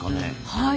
はい。